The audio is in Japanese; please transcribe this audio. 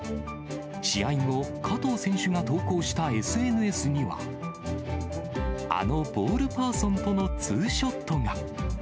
試合後、加藤選手が投稿したＳＮＳには、あのボールパーソンとのツーショットが。